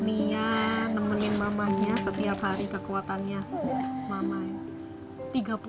nia nemenin mamanya setiap hari kekuatannya mamanya